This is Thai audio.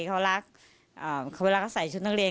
เขารักเวลาเขาใส่ชุดนักเรียน